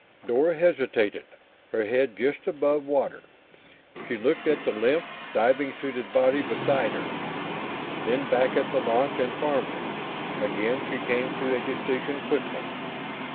Dor hesitated, her head just above water. She looked at the limp, diving suited body beside her, then back at the launch and Farmer. Again, she came to a decision quickly.